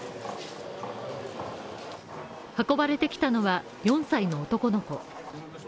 運ばれてきたのは４歳の男の子。